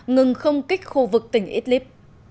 ngừng không kích khu vực tỉnh idlib